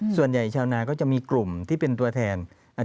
ส่วนใหญ่ชาวนาก็จะมีกลุ่มที่เป็นตัวแทน